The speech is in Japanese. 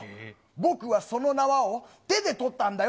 僕はその縄を手で取ったんだよ。